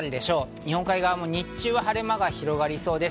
日本海側も日中は晴れ間が広がりそうです。